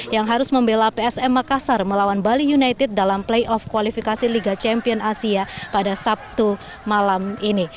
yang harus membela psm makassar melawan bali united dalam playoff kualifikasi liga champion asia pada sabtu malam ini